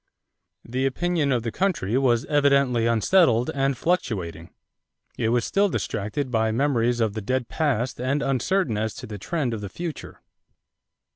The opinion of the country was evidently unsettled and fluctuating. It was still distracted by memories of the dead past and uncertain as to the trend of the future.